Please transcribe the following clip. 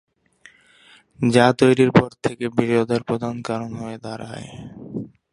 যা তৈরীর পর থেকে বিরোধের প্রধান কারণ হয়ে দাঁড়ায়।